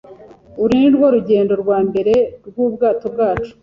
Uru nirwo rugendo rwambere rwubwato bwacu.